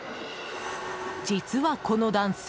実は、この男性。